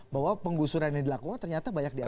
bahwa penggusuran ini dilakukan ternyata banyak diakui